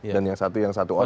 dan yang satu yang satu orang